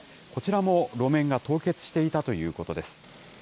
こちらも路面が凍結していたということです。